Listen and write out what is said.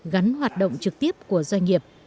gắn hoạt động trực tiếp của doanh nghiệp